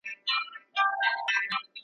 تاریخي ځایونو ته سیلانیان راتلل.